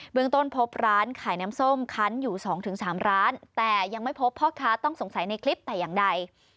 เมืองต้นพบร้านขายน้ำส้มคันอยู่๒๓ร้านแต่ยังไม่พบพ่อค้าต้องสงสัยในคลิปแต่อย่างใด